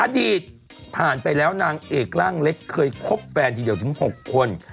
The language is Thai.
อดีตผ่านไปแล้วนางเอกร่างเล็กเคยคบแฟนทีเดียวถึง๖คน